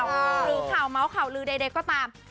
หรือเขาม้าวเขาหรือใดก็ตาม